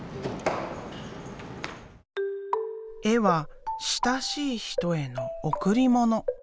絵は親しい人への贈り物。